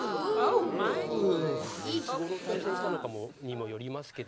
まあいつごろ対戦したのかにもよりますけど。